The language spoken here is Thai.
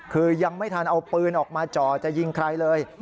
คือยังไม่ทันเอาปืนออกมาจ่อจะยิงใครเลย